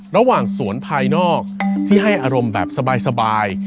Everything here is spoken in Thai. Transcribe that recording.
ระหว่างสวนภายนอกที่ให้อารมณ์แบบสบาย